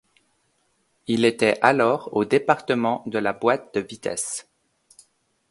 Il était alors au département de la boîte de vitesses.